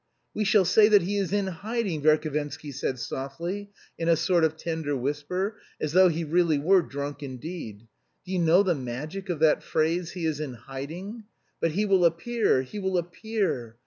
"We shall say that he is 'in hiding,'" Verhovensky said softly, in a sort of tender whisper, as though he really were drunk indeed. "Do you know the magic of that phrase, 'he is in hiding'? But he will appear, he will appear.